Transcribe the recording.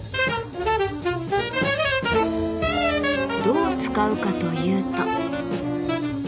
どう使うかというと。